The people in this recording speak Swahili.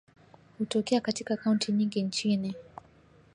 Hutokea katika kaunti nyingi nchini